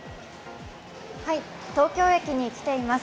東京駅に来ています。